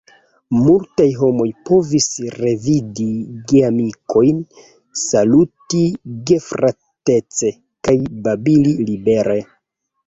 Multaj homoj povis revidi geamikojn, saluti gefratece, kaj babili libere.